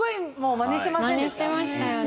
まねしてましたよね。